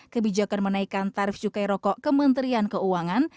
kebijakan menaikkan tarif cukai rokok kementerian keuangan